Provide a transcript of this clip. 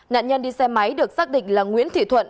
nạn nhân đi xe máy được xác định là nguyễn thị thuận